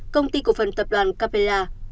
công ty của phần tập đoàn capella